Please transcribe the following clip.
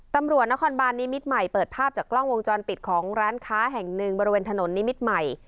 ตำรวจนครบาลนิมิตรใหม่เปิดภาพจากกล้องวงจรปิดของร้านค้าแห่งหนึ่งบริเวณถนนนิมิตรใหม่